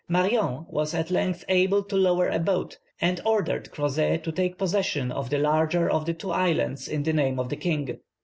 Marion was at length able to lower a boat, and ordered Crozet to take possession of the larger of the two islands in the name of the king.